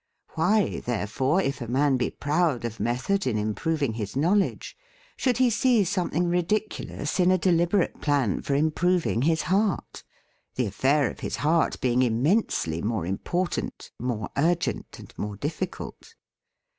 Why, therefore, if a man be proud of method in improving his knowledge, should he see something ridiculous in a deliberate plan for improving his heart — the af fair of his heart being immensely more important, more urgent and more diffi cult?